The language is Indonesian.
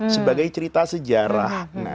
sebagai cerita sejarah